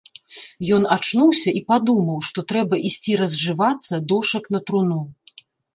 Ён ачнуўся і падумаў, што трэба ісці разжывацца дошак на труну.